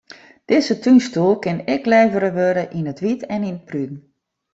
Dizze túnstoel kin ek levere wurde yn it wyt en it brún.